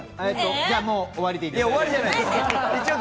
じゃあ終わりでいいですか？